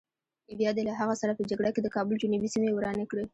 بیا دې له هغه سره په جګړه کې د کابل جنوبي سیمې ورانې کړې.